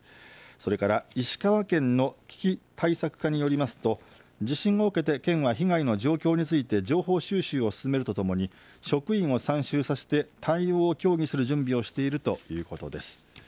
それから石川県の危機対策課によりますと地震を受けて県は被害の状況について情報収集を進めるとともに職員を参集させて対応を協議する準備をしているということです。